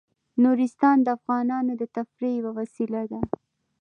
نورستان د افغانانو د تفریح یوه وسیله ده.